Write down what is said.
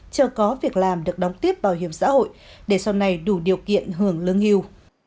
chưa có việc làm được đóng tiếp bảo hiểm xã hội để sau này đủ điều kiện hưởng lương hưu